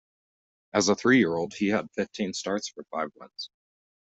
As a three-year-old he had fifteen starts for five wins.